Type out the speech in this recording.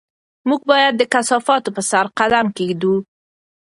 موږ باید د کثافاتو په سر قدم کېږدو.